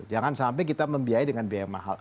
jangan sampai kita membiayai dengan biaya mahal